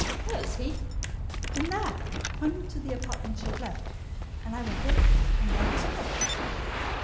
"Where is he?" "In there," pointing to the apartment she had left; and I went in, and there he stood.